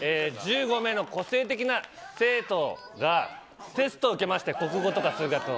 １５名の個性的な生徒がテストを受けまして国語とか数学の。